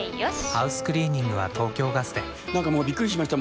ハウスクリーニングは東京ガスでなんかもうビックリしました